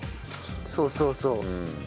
そうそうそう。